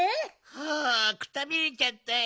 はあくたびれちゃったよ。